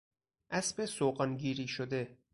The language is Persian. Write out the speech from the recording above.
اسب سوغانگیری شده